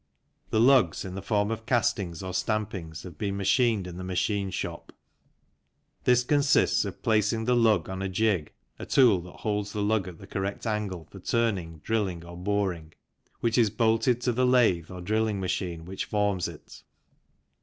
The lugs, in the form of castings or stampings, have been machined in the machine shop. This consists of placing the lug on a jig (a tool that holds the lug at the correct angle for turning, drilling or boring) which is bolted to the lathe or drilling machine which forms it.